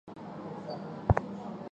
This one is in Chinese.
至唐末共有十几个府。